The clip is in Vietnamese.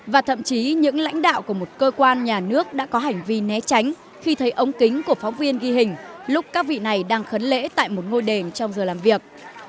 và thậm chí những lãnh đạo của một cơ quan nhà nước đã có hành vi né tránh khi thấy ống kính của phóng viên ghi hình lúc các vị này đang khấn lễ tại một ngôi đền trong giờ làm việc